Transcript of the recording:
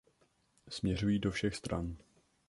Směřují do všech stran.